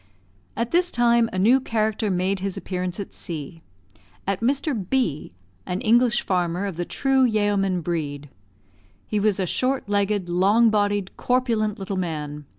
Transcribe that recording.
At this time a new character made his appearance at C , at Mr. B , an English farmer of the true yeoman breed. He was a short legged, long bodied, corpulent little man.